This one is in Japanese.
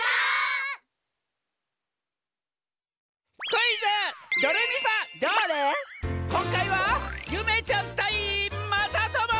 こんかいはゆめちゃんたいまさとも！